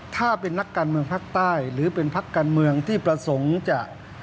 ถ้าเป็นนักการเมืองภาคใต้หรือเป็นพักการเมืองที่ประสงค์จะ